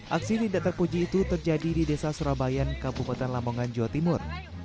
aksi tidak terpuji itu terjadi di desa surabayan kabupaten lamongan jawa timur